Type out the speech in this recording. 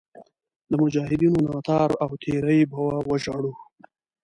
د مجاهدینو ناتار او تېری به وژاړو.